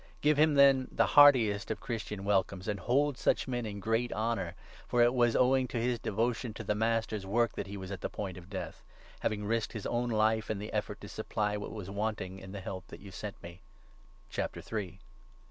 Give him, then, 29 the heartiest of Christian welcomes, and hold such men in great honour. For it was owing to his devotion to the 30 Master's work that he was at the point of death, having risked his own life in the effort to supply what was wanting in the help that you sent me.